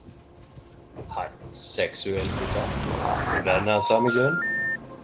Hatt seksuell kontakt med ein ven av same kjønn.